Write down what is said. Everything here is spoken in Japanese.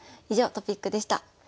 以上トピックでした。